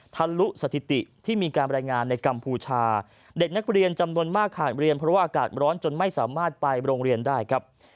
ทะลุสถิติที่มีการบรรยายงานในกัมพูชาเด็กนักเรียนจำนวนมากขาดเรียนเพราะว่าอากาศร้อนจนไม่สามารถไปโรงเรียนได้ครับ